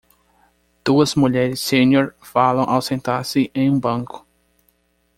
Duas mulheres sênior falam ao sentar-se em um banco.